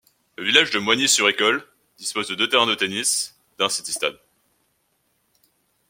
Le village de Moigny-sur-École dispose de deux terrains de tennis, d'un city-stade.